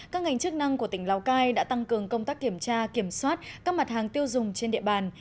các ngành chức năng của tỉnh lào cai đã tăng cường công tác kiểm tra kiểm soát các mặt hàng tiêu dùng trên địa bàn